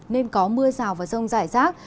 nên có mưa rào và rông rải rác